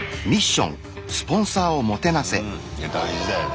うん大事だよね。